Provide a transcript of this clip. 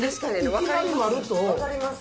分かります